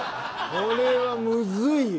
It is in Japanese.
これはむずいよ。